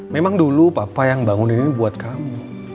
memang dulu papa yang bangunin ini buat kamu